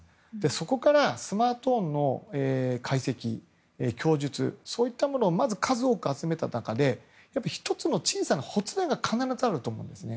そこからスマートフォンの解析供述、そういったものをまず数多く集めた中で１つの小さなほつれが必ずあると思うんですね。